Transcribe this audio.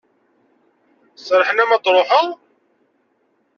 Serrḥen-am ad truḥeḍ?